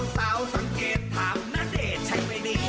สาวสังเกตถามณเดชน์ใช่ไหมนี่